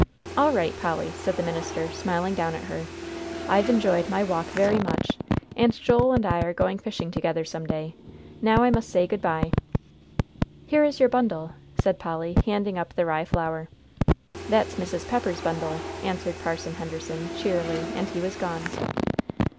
"All right, Polly," said the minister, smiling down at her. "I've enjoyed my walk very much, and Joel and I are going fishing together, some day. Now I must say good by," and he stopped. "Here is your bundle," said Polly, handing up the rye flour. "That's Mrs. Pepper's bundle," answered Parson Henderson, cheerily, and he was gone.